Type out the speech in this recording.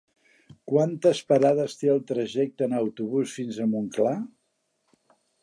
Quantes parades té el trajecte en autobús fins a Montclar?